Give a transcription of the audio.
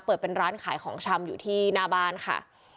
เปิดเป็นร้านขายของชำอยู่ที่หน้าบ้านค่ะ